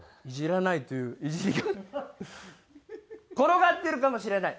らないというイジりが転がってるかもしれない。